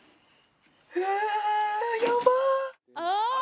うわー！やばっ！